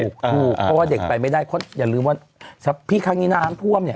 พูดกับเขาว่าเด็กไปไม่ได้ครบอย่าลืมว่าพี่คางิน้ำพ่วน